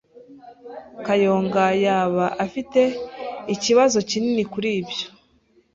Kayonga yaba afite ikibazo kinini kuri ibyo.